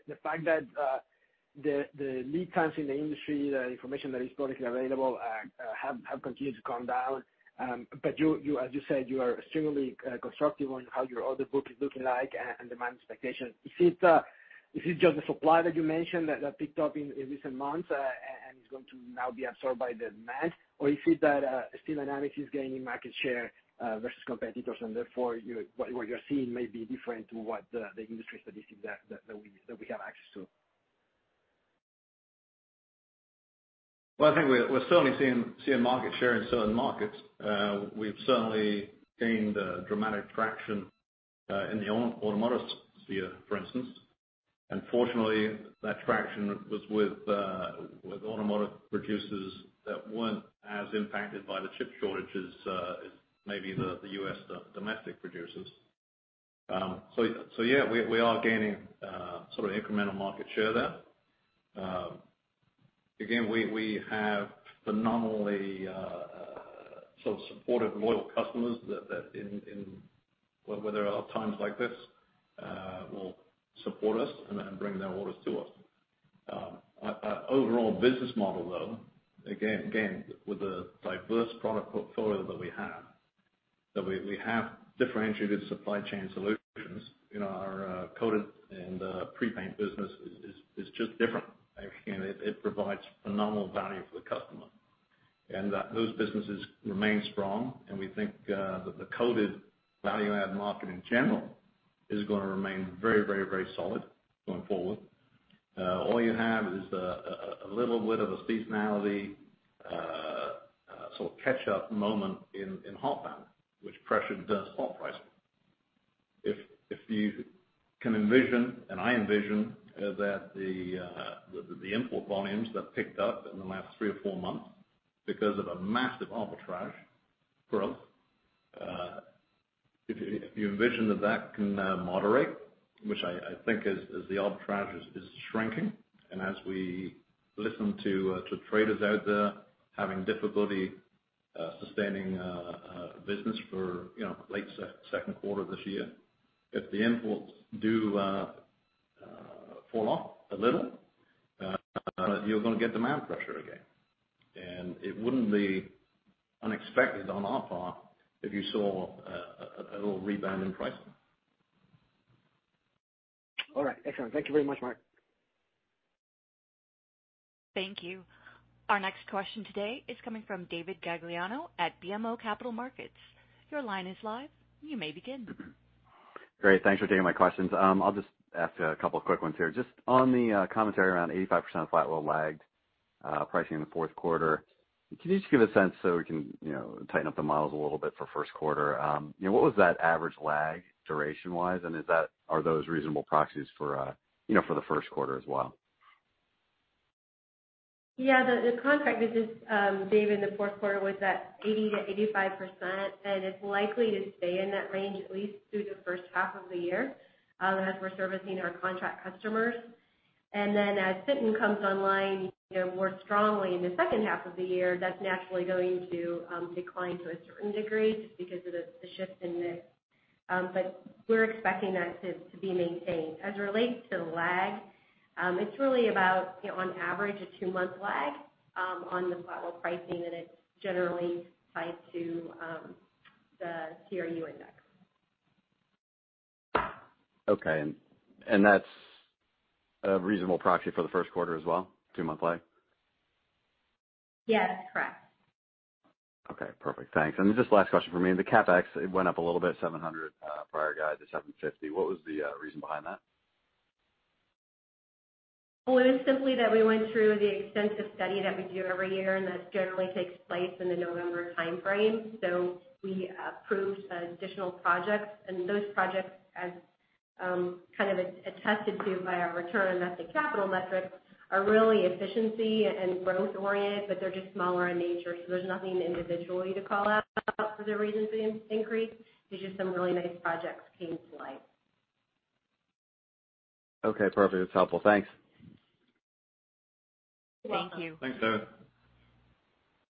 the fact that the lead times in the industry, the information that is publicly available, have continued to come down, but you, as you said, are extremely constructive on how your order book is looking like and demand expectation. Is it just the supply that you mentioned that picked up in recent months and is going to now be absorbed by the demand? Or is it that Steel Dynamics is gaining market share versus competitors, and therefore what you're seeing may be different to what the industry statistics that we have access to? Well, I think we're certainly seeing market share in certain markets. We've certainly gained dramatic traction in the automotive sphere, for instance. Fortunately, that traction was with automotive producers that weren't as impacted by the chip shortages as maybe the U.S. domestic producers. Yeah, we are gaining sort of incremental market share there. Again, we have phenomenally sort of supportive, loyal customers that in where there are times like this will support us and bring their orders to us. Our overall business model, though, again, with the diverse product portfolio that we have, that we have differentiated supply chain solutions in our coated and pre-paint business is just different. Again, it provides phenomenal value for the customer. That those businesses remain strong, and we think that the coated value add market in general is gonna remain very solid going forward. All you have is a little bit of a seasonality sort of catch up moment in hot band, which pressures hot pricing. If you can envision, and I envision, that the import volumes that picked up in the last three or four months because of a massive arbitrage growth. If you envision that that can moderate, which I think as the arbitrage is shrinking, and as we listen to traders out there having difficulty sustaining business for, you know, late second quarter this year. If the imports do fall off a little, you're gonna get demand pressure again. It wouldn't be unexpected on our part if you saw a little rebound in pricing. All right. Excellent. Thank you very much, Mark. Thank you. Our next question today is coming from David Gagliano at BMO Capital Markets. Your line is live. You may begin. Great. Thanks for taking my questions. I'll just ask a couple of quick ones here. Just on the commentary around 85% of flat-rolled lagged pricing in the fourth quarter. Can you just give a sense so we can, you know, tighten up the models a little bit for first quarter? You know, what was that average lag duration-wise, and is that—are those reasonable proxies for, you know, for the first quarter as well? The contract business, Dave, in the fourth quarter was at 80%-85%, and it's likely to stay in that range at least through the first half of the year, as we're servicing our contract customers. As Sinton comes online, you know, more strongly in the second half of the year, that's naturally going to decline to a certain degree just because of the shift in mix. We're expecting that to be maintained. As it relates to lag, it's really about, you know, on average, a two-month lag on the flat-roll pricing, and it's generally tied to the CRU index. Okay. That's a reasonable proxy for the first quarter as well, two-month lag? Yes, correct. Okay. Perfect. Thanks. Just last question for me. The CapEx, it went up a little bit, $700 prior guide to $750. What was the reason behind that? Well, it was simply that we went through the extensive study that we do every year, and that generally takes place in the November timeframe. We approved some additional projects, and those projects as, kind of attested to by our return on invested capital metrics are really efficiency and growth-oriented, but they're just smaller in nature, so there's nothing individually to call out for the reason for the increase. It's just some really nice projects came to light. Okay, perfect. That's helpful. Thanks. You're welcome. Thank you. Thanks, David.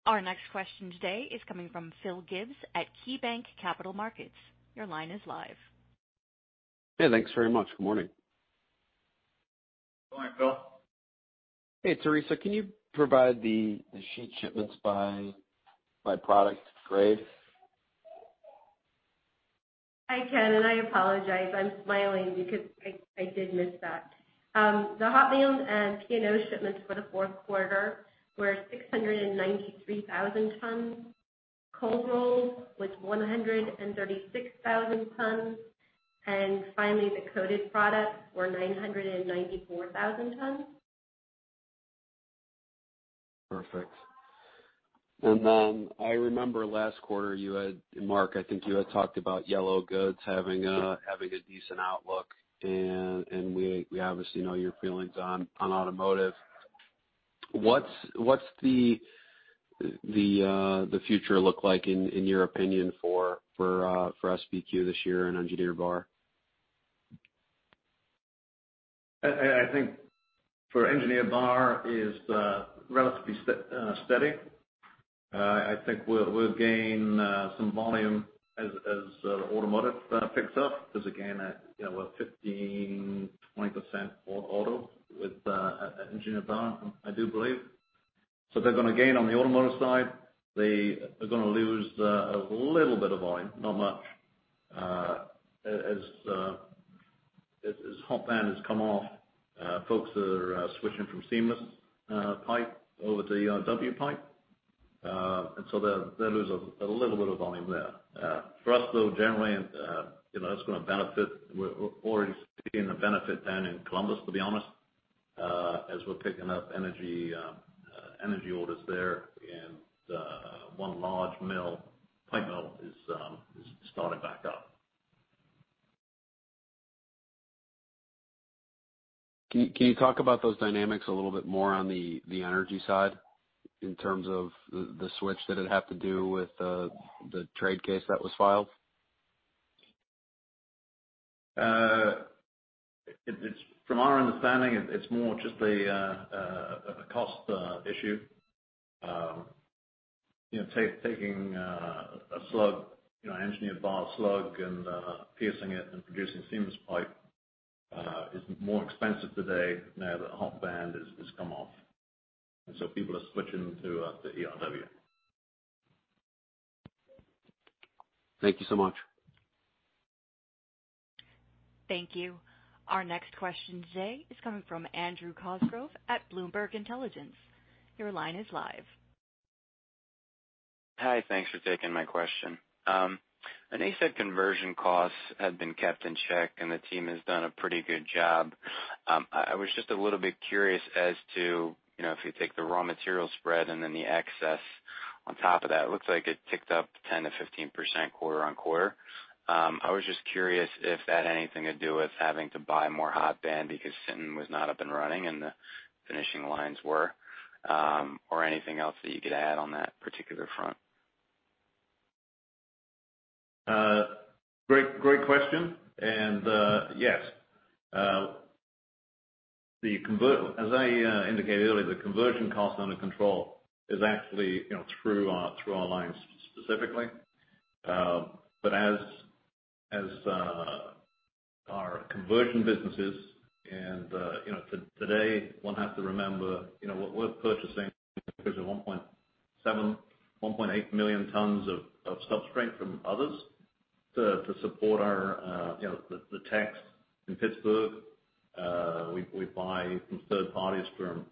Our next question today is coming from Phil Gibbs at KeyBanc Capital Markets. Your line is live. Yeah, thanks very much. Good morning. Good morning, Phil. Hey, Theresa, can you provide the sheet shipments by product grade? I can, and I apologize. I'm smiling because I did miss that. The hot bands and P&O shipments for the fourth quarter were 693,000 tons. Cold rolled was 136,000 tons. Finally, the coated products were 994,000 tons. Perfect. Then I remember last quarter you had, and Mark, I think you had talked about yellow goods having a decent outlook, and we obviously know your feelings on automotive. What's the future look like in your opinion for SBQ this year and engineered bar? I think for engineered bar is relatively steady. I think we'll gain some volume as automotive picks up. There's a gain at 15%-20% for auto with engineered bar, I do believe. They're gonna gain on the automotive side. They are gonna lose a little bit of volume, not much. As hot band has come off, folks are switching from seamless pipe over to ERW pipe. They'll lose a little bit of volume there. For us, though, generally, that's gonna benefit. We're already seeing the benefit down in Columbus, to be honest, as we're picking up energy orders there. One large mill, pipe mill is starting back up. Can you talk about those dynamics a little bit more on the energy side in terms of the switch? Did it have to do with the trade case that was filed? From our understanding, it's more just a cost issue. You know, taking a slug, you know, engineered bar slug and piercing it and producing seamless pipe is more expensive today now that hot band has come off. People are switching to the ERW. Thank you so much. Thank you. Our next question today is coming from Andrew Cosgrove at Bloomberg Intelligence. Your line is live. Hi. Thanks for taking my question. On ACET conversion costs have been kept in check, and the team has done a pretty good job. I was just a little bit curious as to, you know, if you take the raw material spread and then the excess on top of that, it looks like it ticked up 10%-15% quarter-on-quarter. I was just curious if that had anything to do with having to buy more hot band because Sinton was not up and running, and the finishing lines were, or anything else that you could add on that particular front. Great question. Yes, as I indicated earlier, the conversion cost under control is actually, you know, through our lines specifically. But as our conversion businesses and, you know, today, one has to remember, you know, what we're purchasing is 1.7-1.8 million tons of substrate from others to support our, you know, the mill in Pittsboro. We buy from third parties for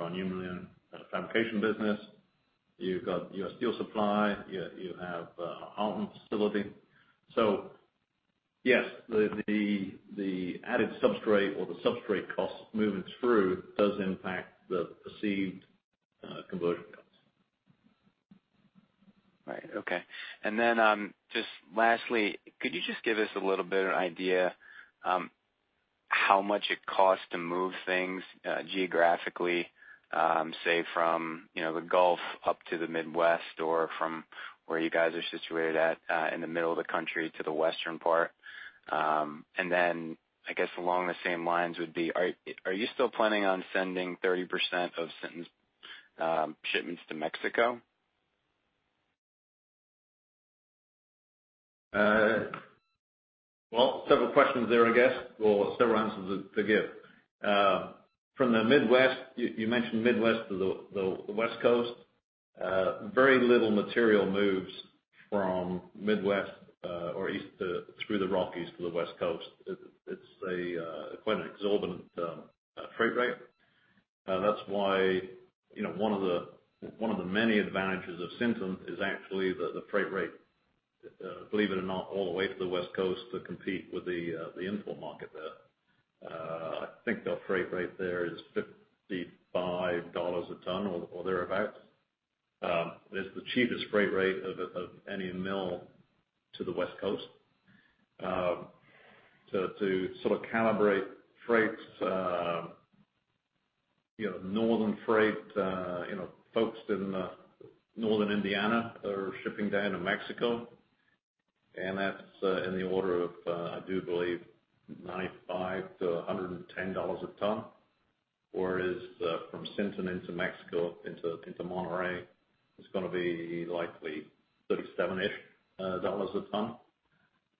our New Millennium fabrication business. You have our steel supply. You have our Houghton facility. Yes, the added substrate or the substrate costs moving through does impact the perceived conversion costs. Right. Okay. Just lastly, could you just give us a little bit of an idea, how much it costs to move things, geographically, say from, you know, the Gulf up to the Midwest or from where you guys are situated at, in the middle of the country to the western part? I guess along the same lines, are you still planning on sending 30% of Sinton's shipments to Mexico? Well, several questions there, I guess, or several answers to give. From the Midwest, you mentioned Midwest to the West Coast. Very little material moves from Midwest or East to, through the Rockies to the West Coast. It's a quite an exorbitant freight rate. That's why, you know, one of the many advantages of Sinton is actually the freight rate, believe it or not, all the way to the West Coast to compete with the import market there. I think the freight rate there is $55 a ton or thereabouts. It's the cheapest freight rate of any mill to the West Coast. To sort of calibrate freights, you know, northern freight, you know, folks in northern Indiana are shipping down to Mexico, and that's in the order of, I do believe $95-$110 a ton. Whereas, from Sinton into Mexico, into Monterrey, it's gonna be likely 37-ish dollars a ton.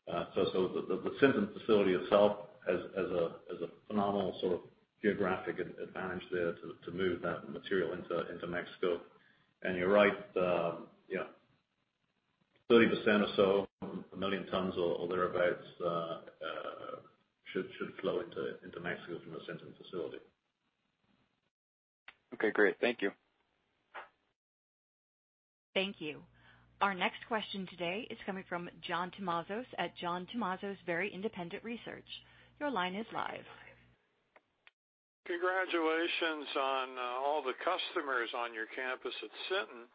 The Sinton facility itself has a phenomenal sort of geographic advantage there to move that material into Mexico. You're right, yeah, 30% or so, 1 million tons or thereabouts, should flow into Mexico from the Sinton facility. Okay, great. Thank you. Thank you. Our next question today is coming from John Tumazos at John Tumazos Very Independent Research. Your line is live. Congratulations on all the customers on your campus at Sinton.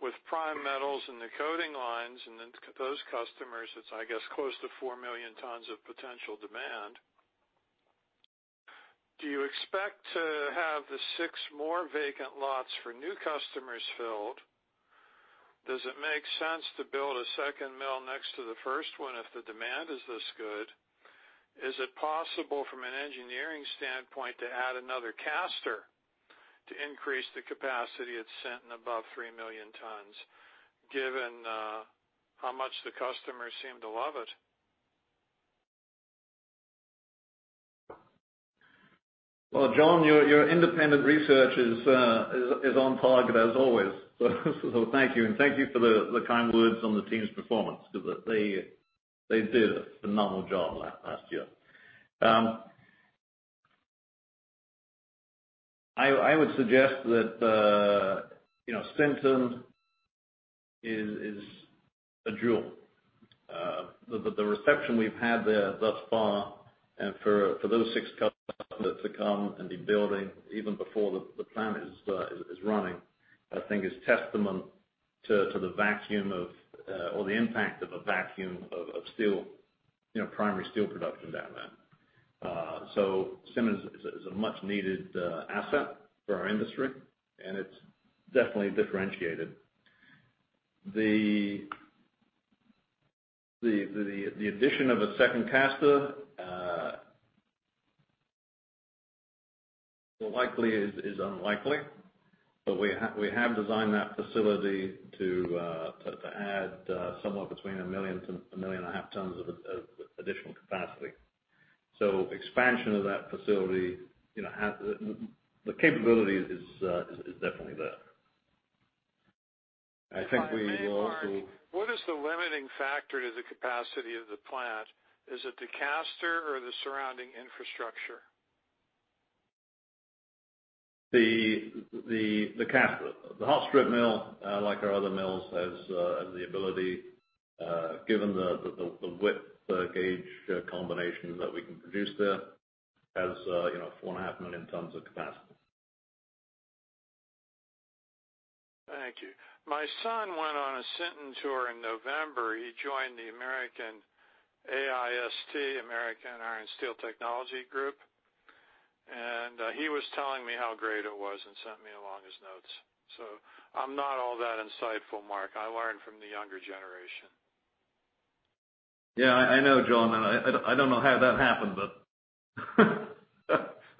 With Prime Metals and the coating lines and then those customers, it's, I guess, close to four million tons of potential demand. Do you expect to have the six more vacant lots for new customers filled? Does it make sense to build a second mill next to the first one if the demand is this good? Is it possible from an engineering standpoint to add another caster to increase the capacity at Sinton above 3 million tons, given how much the customers seem to love it? Well, John, your independent research is on target as always. Thank you, and thank you for the kind words on the team's performance because they did a phenomenal job last year. I would suggest that you know, Sinton is a jewel. The reception we've had there thus far and for those six customers to come and be building even before the plant is running, I think is testament to the vacuum of or the impact of a vacuum of steel, you know, primary steel production down there. Sinton is a much needed asset for our industry, and it's definitely differentiated. The addition of a second caster likely is unlikely, but we have designed that facility to add somewhat between 1 million-1.5 million tons of additional capacity. Expansion of that facility, you know, the capability is definitely there. I think we will also- What is the limiting factor to the capacity of the plant? Is it the caster or the surrounding infrastructure? The caster. The hot strip mill, like our other mills, has the ability, given the width-gauge combination that we can produce there, you know, 4.5 million tons of capacity. Thank you. My son went on a Sinton tour in November. He joined the AIST, Association for Iron and Steel Technology, and he was telling me how great it was and sent me along his notes. I'm not all that insightful, Mark. I learn from the younger generation. Yeah, I know, John. I don't know how that happened, but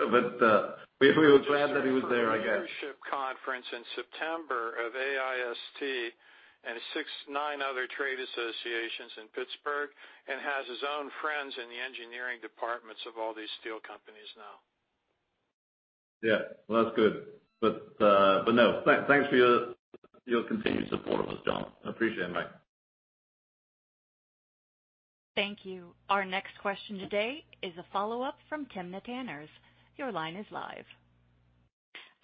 we were glad that he was there, I guess. Leadership conference in September of AIST and 6-9 other trade associations in Pittsboro, and has his own friends in the engineering departments of all these steel companies now. Yeah. Well, that's good. No, thanks for your continued support of us, John. Appreciate it, mate. Thank you. Our next question today is a follow-up from Timna Tanners. Your line is live.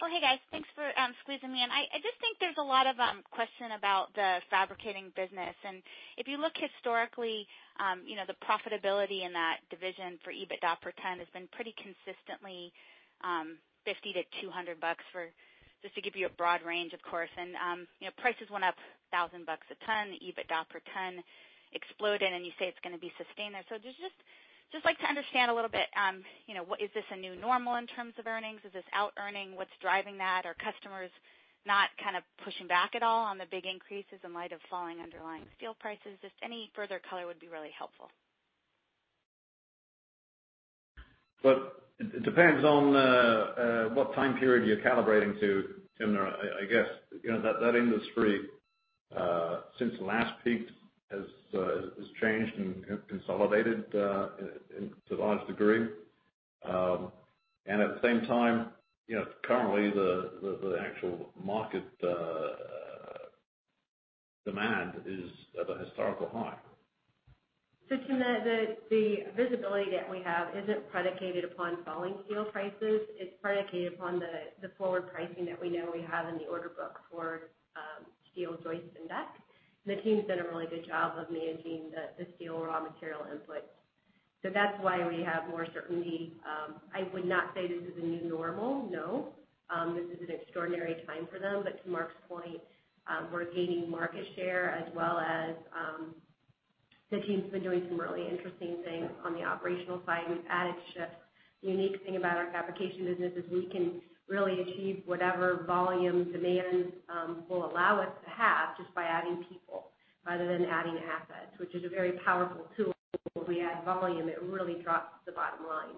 Oh, hey, guys. Thanks for squeezing me in. I just think there's a lot of question about the fabricating business. If you look historically, you know, the profitability in that division for EBITDA per ton has been pretty consistently $50-$200 for just to give you a broad range, of course. You know, prices went up $1,000 a ton, the EBITDA per ton exploded, and you say it's gonna be sustained there. I just like to understand a little bit, you know, is this a new normal in terms of earnings? Is this out earning? What's driving that? Are customers not kind of pushing back at all on the big increases in light of falling underlying steel prices? Just any further color would be really helpful. Look, it depends on what time period you're calibrating to, Tim, there. I guess, you know, that industry since it last peaked has changed and consolidated to large degree. At the same time, you know, currently the actual market demand is at a historical high. Tim, the visibility that we have isn't predicated upon falling steel prices. It's predicated upon the forward pricing that we know we have in the order book for steel joists and deck. The team's done a really good job of managing the steel raw material input. That's why we have more certainty. I would not say this is a new normal, no. This is an extraordinary time for them. To Mark's point, we're gaining market share as well as the team's been doing some really interesting things on the operational side. We've added shifts. The unique thing about our fabrication business is we can really achieve whatever volume demand will allow us to have just by adding people rather than adding assets, which is a very powerful tool. When we add volume, it really drops the bottom line.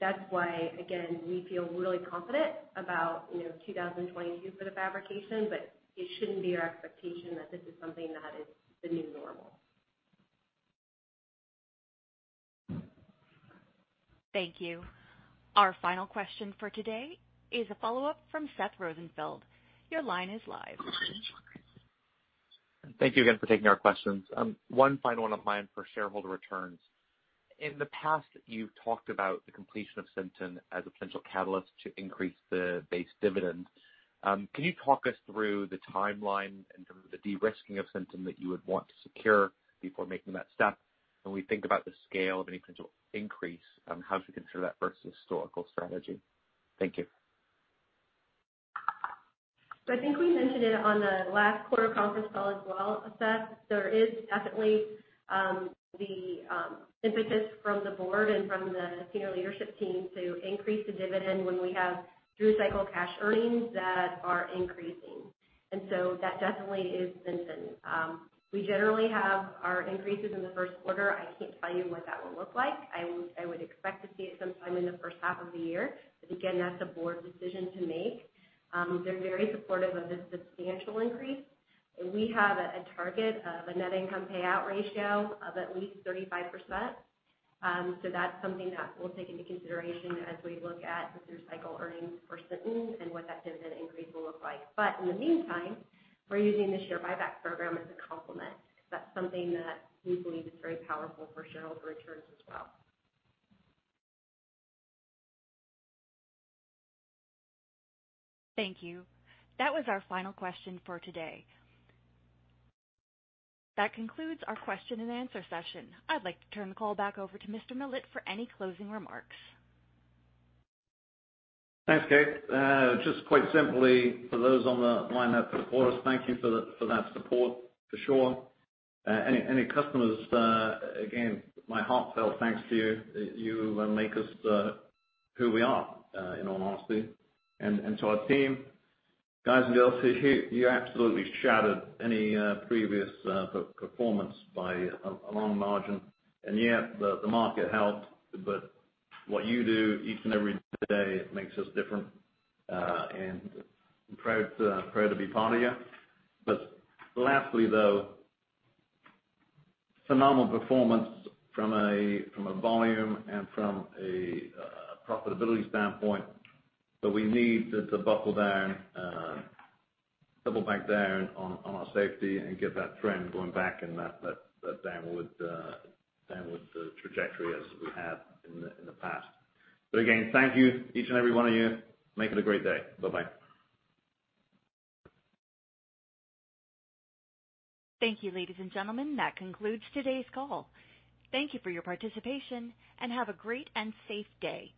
That's why, again, we feel really confident about, you know, 2022 for the fabrication, but it shouldn't be our expectation that this is something that is the new normal. Thank you. Our final question for today is a follow-up from Seth Rosenfeld. Your line is live. Thank you again for taking our questions. One final one of mine for shareholder returns. In the past, you've talked about the completion of Sinton as a potential catalyst to increase the base dividend. Can you talk us through the timeline in terms of the de-risking of Sinton that you would want to secure before making that step? When we think about the scale of any potential increase, how should we consider that versus historical strategy? Thank you. I think we mentioned it on the last quarter conference call as well, Seth. There is definitely the impetus from the board and from the senior leadership team to increase the dividend when we have through-cycle cash earnings that are increasing. That definitely is Sinton. We generally have our increases in the first quarter. I can't tell you what that will look like. I would expect to see it sometime in the first half of the year. But again, that's a board decision to make. They're very supportive of a substantial increase. We have a target of a net income payout ratio of at least 35%. So that's something that we'll take into consideration as we look at the through-cycle earnings for Sinton and what that dividend increase will look like. In the meantime, we're using the share buyback program as a complement 'cause that's something that we believe is very powerful for shareholder returns as well. Thank you. That was our final question for today. That concludes our question and answer session. I'd like to turn the call back over to Mr. Millett for any closing remarks. Thanks, Kate. Just quite simply, for those on the line that support us, thank you for that support for sure. Any customers, again, my heartfelt thanks to you. You make us who we are in all honesty. To our team, guys and girls, you absolutely shattered any previous performance by a long margin. Yeah, the market helped, but what you do each and every day makes us different, and I'm proud to be part of you. Lastly, though, phenomenal performance from a volume and from a profitability standpoint, but we need to buckle down, double down on our safety and get that trend going back in that downward trajectory as we have in the past. Again, thank you each and every one of you. Make it a great day. Bye-bye. Thank you, ladies and gentlemen. That concludes today's call. Thank you for your participation, and have a great and safe day.